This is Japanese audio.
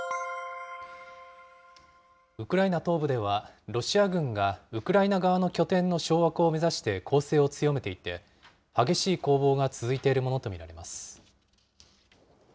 ウクライナ東部ではロシア軍がウクライナ側の拠点の掌握を目指して攻勢を強めていて、激しい攻防が続いているものと見られます。